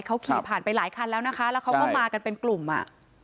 เขาขี่ผ่านไปหลายคันแล้วนะคะแล้วเขาก็มากันเป็นกลุ่มอ่ะ